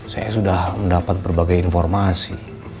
saya sudah mendapat berbagai informasi